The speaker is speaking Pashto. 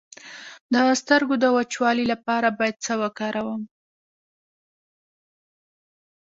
د سترګو د وچوالي لپاره باید څه وکاروم؟